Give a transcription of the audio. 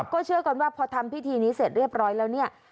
ก็เชื่อกันว่าพอทำพิธีนี้เสร็จเรียบร้อยแล้วเนี่ย